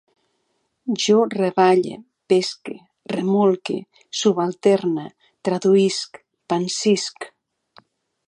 Jo reballe, pesque, remolque, subalterne, traduïsc, pansisc